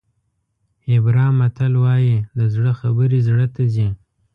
هیبرا متل وایي د زړه خبرې زړه ته ځي.